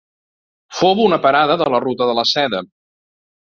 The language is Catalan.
Fou una parada de la ruta de la Seda.